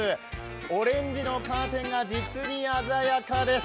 オレンジのカーテンが実に鮮やかです。